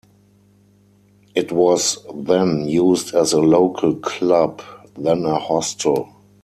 It was then used as a local club, then a hostel.